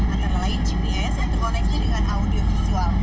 antara lain gps yang terkoneksi dengan audio visual